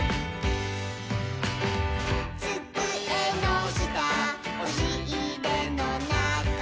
「つくえのしたおしいれのなか」